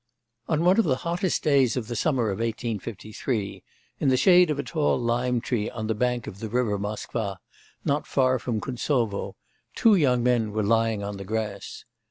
I On one of the hottest days of the summer of 1853, in the shade of a tall lime tree on the bank of the river Moskva, not far from Kuntsovo, two young men were lying on the grass.